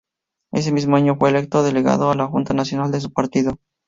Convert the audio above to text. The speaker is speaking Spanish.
Ese mismo año fue electo delegado a la Junta Nacional de su partido.